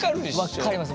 分かります。